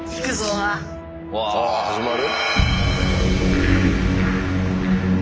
あ始まる？